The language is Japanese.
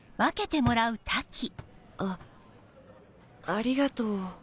あありがとう。